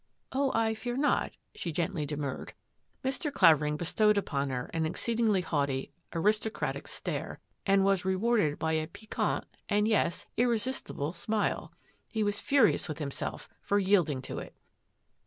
" Oh, I fear not," she gently demurred. Mr. Clavering bestowed upon her an exceedingly haughty, aristocratic stare, and was rewarded by a piquant and — yes, irresistible — smile. He was furious with himself for yielding to it.